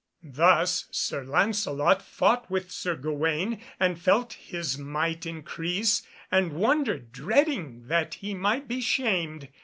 Thus Sir Lancelot fought with Sir Gawaine, and felt his might increase and wondered, dreading that he might be shamed.